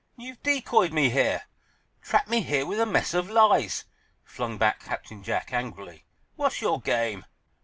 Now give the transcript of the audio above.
"You've decoyed me—trapped me here with a mess of lies," flung back Captain Jack, angrily. "What's your game?"